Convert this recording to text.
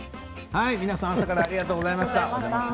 皆さん、朝からありがとうございました。